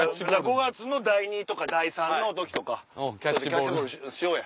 ５月の第２とか第３の時とかキャッチボールしようや。